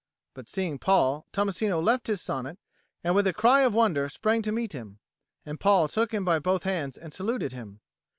But seeing Paul, Tommasino left his sonnet, and with a cry of wonder sprang to meet him; and Paul took him by both hands and saluted him.